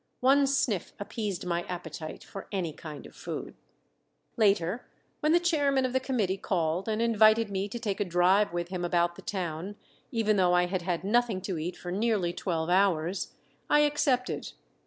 One sniff appeased my appetite for any kind of food. Later, when the chairman of the committee called and invited me to take a drive with him about the town, even though I had had nothing to eat for nearly twelve hours, I accepted.